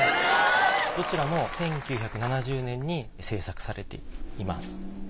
どちらも１９７０年に制作されています。